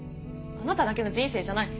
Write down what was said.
あなただけの人生じゃない。